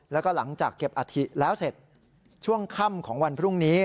แล้วก็หลังจากเก็บอัฐิแล้วเสร็จช่วงค่ำของวันพรุ่งนี้